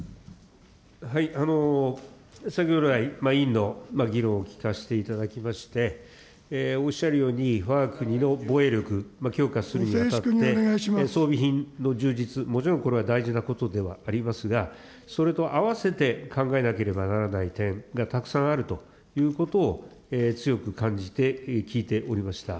先ほど来、委員の議論を聞かせていただきまして、おっしゃるように、わが国の防衛力、強化するにあたって、装備品の充実、もちろんこれは大事なことではありますが、それと併せて考えなければならない点がたくさんあるということを強く感じて聞いておりました。